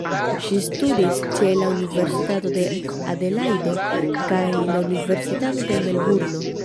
Ŝi studis ĉe la universitato de Adelajdo kaj la universitato de Melburno.